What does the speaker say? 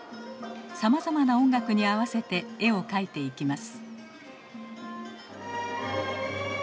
さまざまな音楽に合わせて絵を描いていきます。